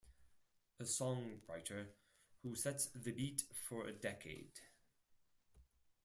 A songwriter who sets the beat for a decade.